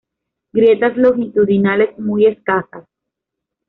Grietas longitudinales muy escasas.